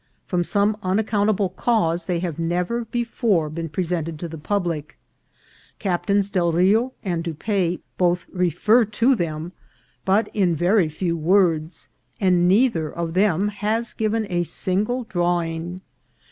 From some unaccountable cause they have never before been presented to the public. Captains Del Rio and Dupaix both refer to them, but in very few words, and neither of them has given a single draw ing.